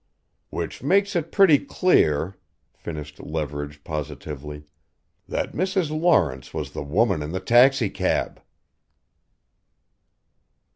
"Which makes it pretty clear," finished Leverage positively, "that Mrs. Lawrence was the woman in the taxicab!"